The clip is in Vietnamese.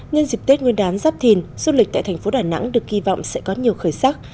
nhân dịp tết nguyên đán giáp thìn du lịch tại thành phố đà nẵng được kỳ vọng sẽ có nhiều khởi sắc